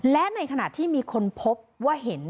และในขณะที่มีคนพบว่าเห็น